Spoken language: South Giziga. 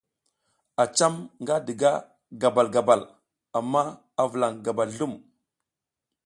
A cam nga diga gabal gabal amma a vulaƞ gabal zlum.